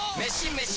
メシ！